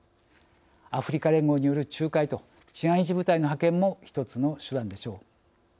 アフリカ連合による仲介と治安維持部隊の派遣も１つの手段でしょう。